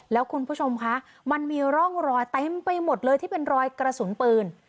แล้วคุณผู้ชมคะมันมีร่องรอยเต็มไปหมดเลยที่เป็นรอยกระสุนปืน